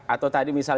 atau tadi misalnya